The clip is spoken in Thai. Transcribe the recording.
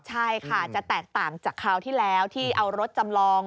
ใช่ค่ะจะแตกต่างจากคราวที่แล้วที่เอารถจำลอง